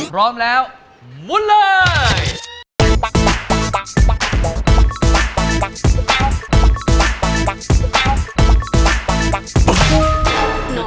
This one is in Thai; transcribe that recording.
พร้อมแล้วมุนเลย